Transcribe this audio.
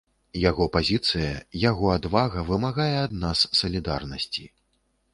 Яго пазіцыя, яго адвага вымагае ад нас салідарнасці.